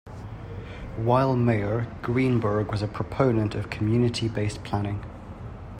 While mayor, Greenberg was a proponent of community-based planning.